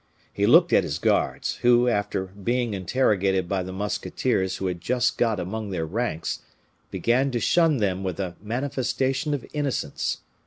He looked at his guards, who, after being interrogated by the musketeers who had just got among their ranks, began to shun them with a manifestation of innocence.